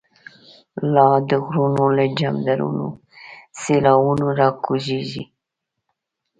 لا دغرو له جمدرونو، سیلاوونه ر ا کوزیږی